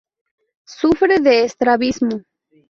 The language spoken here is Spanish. Sufre de estrabismo.